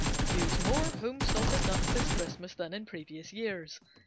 Use more home salted nuts this Christmas than in previous years.